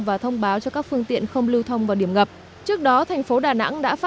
và thông báo cho các phương tiện không lưu thông vào điểm ngập